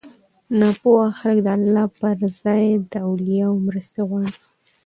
ناپوهه خلک د الله پر ځای له اولياوو مرسته غواړي